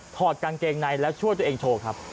ถอดกางเกงในแล้วช่วยตัวเองโชว์ครับ